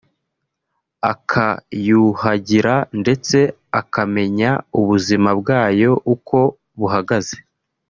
akayuhagira ndetse akamenya ubuzima bwayo uko buhagaze